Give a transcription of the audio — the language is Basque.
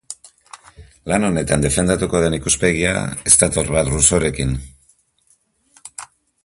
Lan honetan defendatuko den ikuspegia ez dator bat Rousseaurekin.